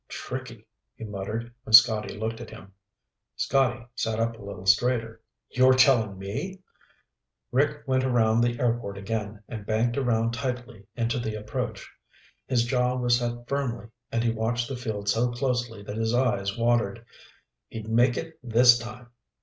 "Tricky," he muttered when Scotty looked at him. Scotty sat up a little straighter. "You're telling me?" Rick went around the airport again and banked around tightly into the approach. His jaw was set firmly and he watched the field so closely that his eyes watered. He'd make it this time!